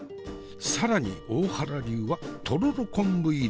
更に大原流はとろろ昆布入り。